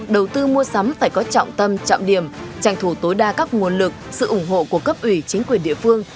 đầu tư mua sắm phải có trọng tâm trọng điểm tranh thủ tối đa các nguồn lực sự ủng hộ của cấp ủy chính quyền địa phương